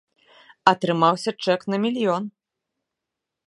Атрымаўся чэк на мільён!